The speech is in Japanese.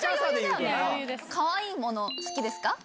かわいいもの好きですか？